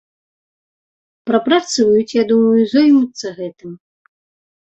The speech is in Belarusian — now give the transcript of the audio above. Прапрацуюць, я думаю, зоймуцца гэтым.